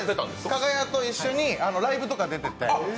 かが屋と一緒にライブとかに出てて。